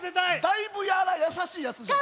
だいぶやさしいやつじゃ。